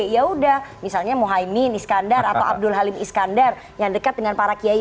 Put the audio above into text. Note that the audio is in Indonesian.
ya udah misalnya mohaimin iskandar atau abdul halim iskandar yang dekat dengan para kiai